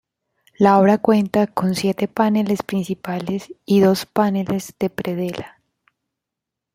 La obra cuenta con siete paneles principales y dos paneles de predela.